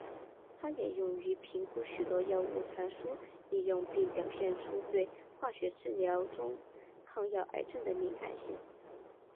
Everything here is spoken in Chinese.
它也用于评估许多药物传输应用并表现出对化学疗法中抗药癌症的敏感性。